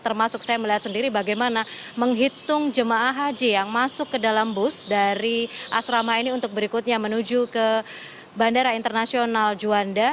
termasuk saya melihat sendiri bagaimana menghitung jemaah haji yang masuk ke dalam bus dari asrama ini untuk berikutnya menuju ke bandara internasional juanda